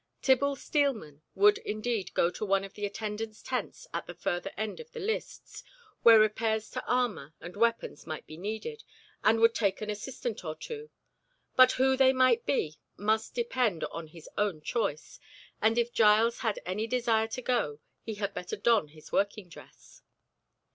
Tibble Steelman would indeed go to one of the attendants' tents at the further end of the lists, where repairs to armour and weapons might be needed, and would take an assistant or two, but who they might be must depend on his own choice, and if Giles had any desire to go, he had better don his working dress.